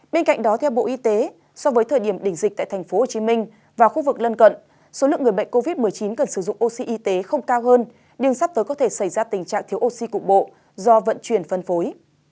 bên cạnh đó theo bộ y tế so với thời điểm đỉnh dịch tại tp hcm và khu vực lân cận số lượng người bệnh covid một mươi chín cần sử dụng oxy y tế không cao hơn nhưng sắp tới có thể xảy ra tình trạng thiếu oxy cục bộ do vận chuyển phân phối